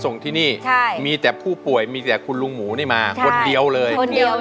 ส่งที่นี่มีแต่ผู้ป่วยมีแต่คุณลูงหมูนี่มาคนเดียวเลย